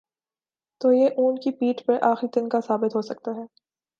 تو یہ اونٹ کی پیٹھ پر آخری تنکا ثابت ہو سکتا ہے۔